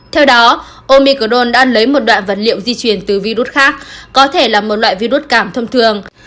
theo đó omicron đã lấy một đoạn vật liệu di chuyển từ virus khác có thể là một loại virus cảm thông thường